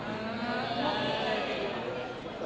อ่า